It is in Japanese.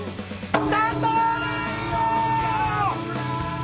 スタート！